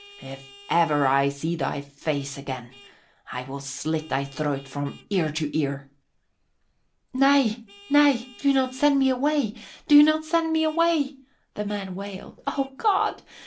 If ever I see thy face again, I will slit thy throat from ear to ear." "Nay, nay, do not send me away! Do not send me away!" the man wailed. "O God!